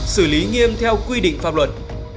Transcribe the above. xử lý nghiêm theo quy định pháp luật